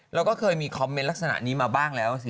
เราก็เคยมีคอมเมนต์ลักษณะนี้มาบ้างแล้วสิ